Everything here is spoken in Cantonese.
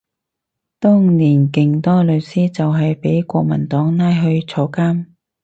當年勁多律師就係畀國民黨拉去坐監